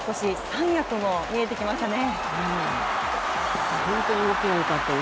三役も見えてきましたね。